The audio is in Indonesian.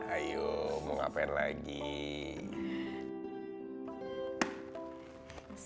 aku mau berjalan aja